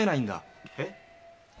えっ？